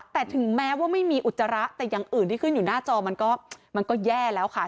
แต่ถึงแม้ว่าไม่มีอุจจาระแต่อย่างอื่นที่ขึ้นอยู่หน้าจอมันก็มันก็แย่แล้วค่ะ